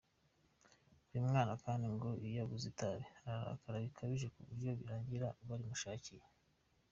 Uy mwana kandi ngo iyo abuze itabi ararakara bikabije kuburyo birangira barimushakiye.